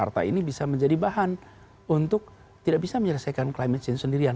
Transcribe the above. apa yang dikerjakan di jakarta ini bisa menjadi bahan untuk tidak bisa menyelesaikan climate change sendirian